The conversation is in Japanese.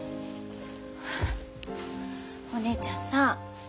お姉ちゃんさ